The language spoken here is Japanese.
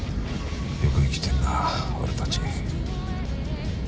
よく生きてんな俺たち。